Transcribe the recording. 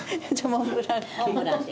モンブランで。